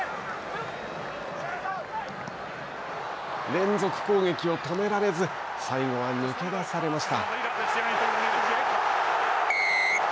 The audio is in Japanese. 連続攻撃を止められず最後は抜け出されました。